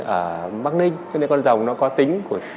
ở bắc ninh cho nên con rồng nó có tính của